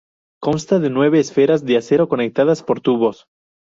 Consta de nueve esferas de acero conectadas por tubos.